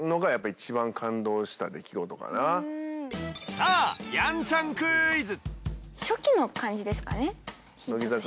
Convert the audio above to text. さぁやんちゃんクイズ。